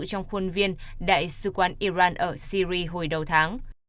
trong khuôn viên đại sứ quán iran ở syri hồi đầu tháng